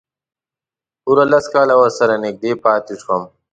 پوره لس کاله ورسره نږدې پاتې شوم.